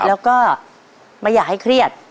แล้วก็ไม่อยากให้เครียด